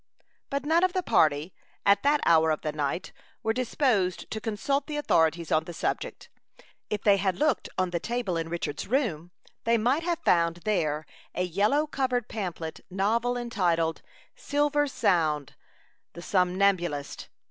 But none of the party, at that hour of the night, were disposed to consult the authorities on the subject. If they had looked on the table in Richard's room they might have found there a yellow covered pamphlet novel, entitled "Sylvester Sound, the Somnambulist."